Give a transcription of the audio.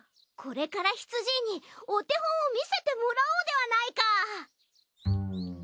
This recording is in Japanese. これからひつじいにお手本を見せてもらおうではないか。